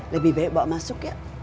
lebih baik bawa masuk ya